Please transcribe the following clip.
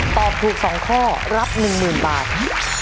ตอบถูก๒ข้อรับ๑๐๐๐บาท